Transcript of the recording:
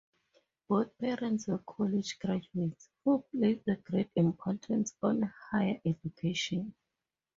Both parents were college graduates, who placed a great importance on higher education.